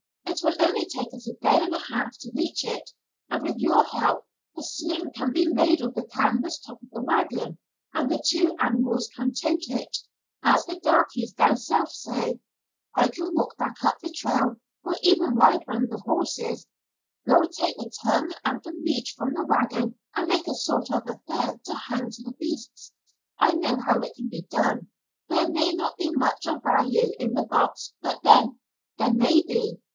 "It will only take us a day and a half to reach it, and with your help, a sling can be made of the canvas top of the wagon, and the two animals can 'tote it' as the darkies down South say. I can walk back up the trail, or even ride one of the horses. We'll take the tongue and the reach from the wagon and make a sort of affair to hang to the beasts, I know how it can be done. There may not be much of value in the box, but then there may be.